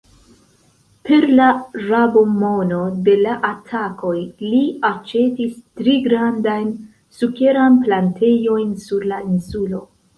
Per la rabo-mono de la atakoj li aĉetis tri grandajn sukerkan-plantejojn sur la insulo.